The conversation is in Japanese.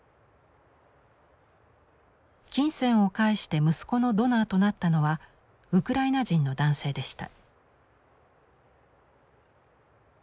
金銭を介して息子のドナーとなったのはウクライナ人の男性でした。